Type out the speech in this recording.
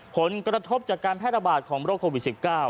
ผลกระทบจากการแพร่ระบาดของโรคโควิด๑๙